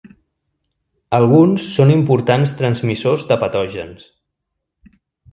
Alguns són importants transmissors de patògens.